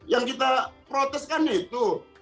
yang kita proteskan itu